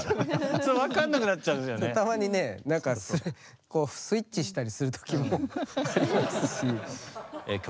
そうたまにね何かこうスイッチしたりする時もありますし。